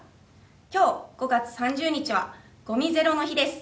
今日、５月３０日はごみゼロの日です。